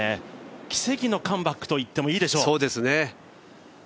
奇跡のカムバックといってもいいでしょう。